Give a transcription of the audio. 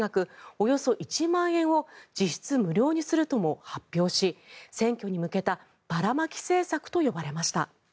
およそ１万円を実質無料にするとも発表し選挙に向けたばらまき政策と呼ばれました。